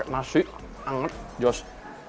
masih anget josh